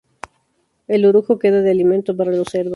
El orujo queda de alimento para los cerdos.